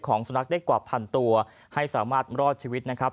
สุนัขได้กว่าพันตัวให้สามารถรอดชีวิตนะครับ